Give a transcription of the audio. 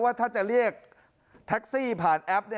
ว่าถ้าจะเรียกแท็กซี่ผ่านแอป